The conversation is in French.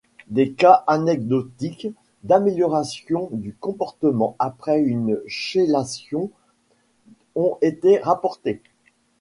Des cas anecdotiques d'amélioration du comportement après une chélation ont été rapportés.